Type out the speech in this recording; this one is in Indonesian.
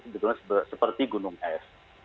sebetulnya seperti gunung es